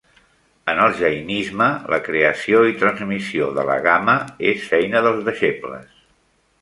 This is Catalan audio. En el jainisme, la creació i transmissió de l'"Agama" és feina dels deixebles.